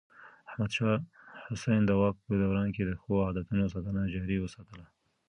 احمد شاه حسين د واک په دوران کې د ښو عادتونو ساتنه جاري وساتله.